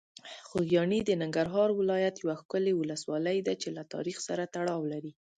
خوږیاڼي د ننګرهار ولایت یوه ښکلي ولسوالۍ ده چې له تاریخ سره تړاو لري.